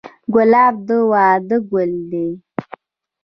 ګلاب د واده ګل دی.